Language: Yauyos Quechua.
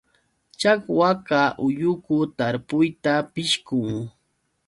Chakwaqa ulluku tarpuyta pishqun.